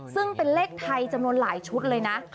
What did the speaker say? ซึ่งเป็นเลขไทยจำนวนหลายชุดเลยนะ